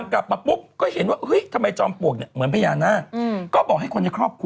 ขอเชิญจอมปลวกครับ